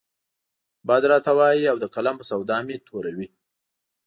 بد راته وايي او د قلم په سودا مې توره وي.